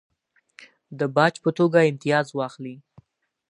د باج په توګه امتیاز واخلي.